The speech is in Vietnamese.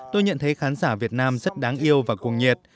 tôi nhận thấy khán giả việt nam rất đáng yêu và cuồng nhiệt